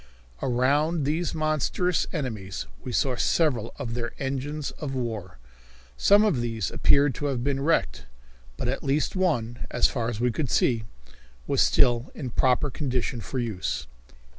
Around these monstrous enemies we saw several of their engines of war. Some of these appeared to have been wrecked, but at least one, as far as we could see, was still in a proper condition for use.